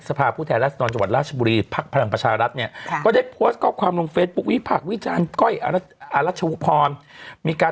อยากรู้เรื่องนี้เหมือนกันนะค่ะสังคมค่ะ